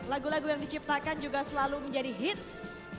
lagu lagu yang diciptakan juga selalu menjadi hits